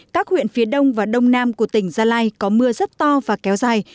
các huyện phía đông và đông nam của tỉnh gia lai có mưa rất to và kéo dài